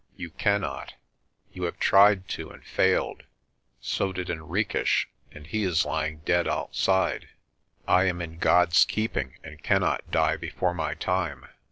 You can not. You have tried to and failed. So did Henriques, and he is lying dead outside. I am in God's keeping and cannot die before my time."